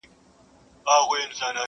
یو له بله کړو پوښتني لکه ښار د ماشومانو.!